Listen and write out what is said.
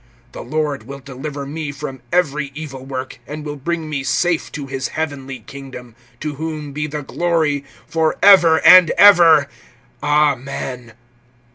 (18)The Lord will deliver me from every evil work, and will bring me safe to his heavenly kingdom; to whom be the glory, forever and ever. Amen.